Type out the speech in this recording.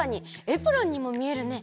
エプロンにもみえるね。